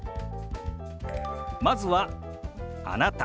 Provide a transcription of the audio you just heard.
まずは「あなた」。